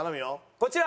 こちら！